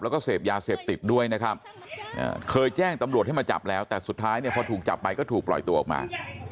แล้วก็เสพยาเสพติดด้วยนะครับเคยแจ้งตำรวจให้มาจับแล้วแต่สุดท้ายเนี่ยพอถูกจับไปก็ถูกปล่อยตัวออกมา